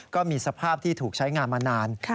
ก็มีสภาพที่ถูกใช้งานมานาน